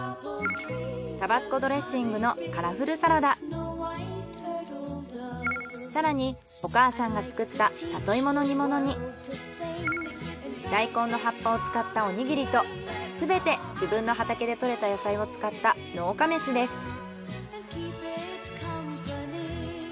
タバスコドレッシングの更にお母さんが作った里芋の煮物に大根の葉っぱを使ったおにぎりとすべて自分の畑で採れた野菜を使った農家飯です。